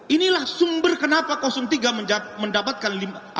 inilah sumber kenapa tiga mendapatkan lima